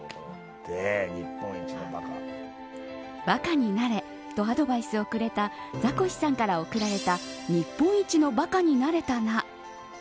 バカになれとアドバイスをくれたザコシさんから贈られた日本一のバカになれたな。